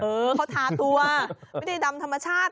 เออเขาทาตัวไม่ได้ดำธรรมชาติ